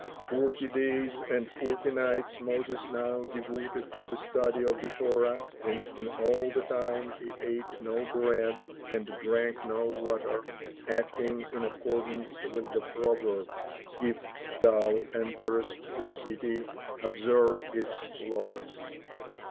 Forty days and forty nights Moses now devoted to the study of the Torah, and in all the time he ate no bread and drank no water, acting in accordance with the proverb, "If thou enterest a city, observe its laws."